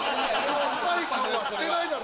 酸っぱい顔はしてないだろ。